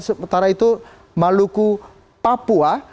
sementara itu maluku papua